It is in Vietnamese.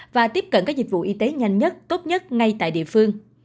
và tiếp cận các dịch vụ y tế nhanh nhất tốt nhất ngay tại địa phương